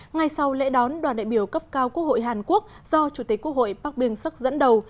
ngay sau lễ đón đoàn đại biểu cấp cao quốc hội hàn quốc do chủ tịch quốc hội bắc biên sắc dẫn đầu